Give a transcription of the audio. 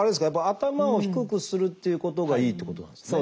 頭を低くするっていうことがいいっていうことなんですね？